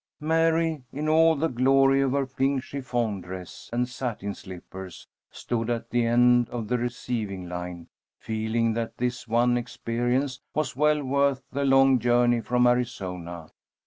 Mary, in all the glory of her pink chiffon dress and satin slippers, stood at the end of the receiving line, feeling that this one experience was well worth the long journey from Arizona.